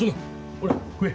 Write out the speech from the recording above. ほら食え。